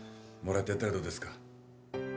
もらってやったらどうですか。